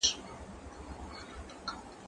ته ولي د کتابتون د کار مرسته کوې،